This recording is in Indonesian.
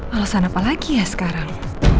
alasan apa lagi ya sekarang